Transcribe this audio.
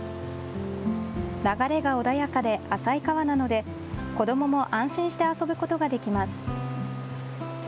流れが穏やかで浅い川なので子どもも安心して遊ぶことができます。